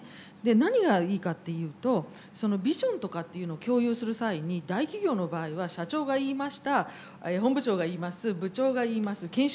何がいいかっていうとビジョンとかっていうのを共有する際に大企業の場合は社長が言いました本部長が言います部長が言います研修